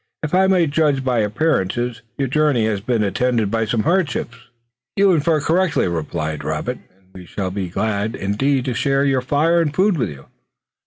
If I may judge by appearances your journey has been attended by some hardships." "You infer correctly," replied Robert, "and we shall be glad indeed to share your fire and food with you."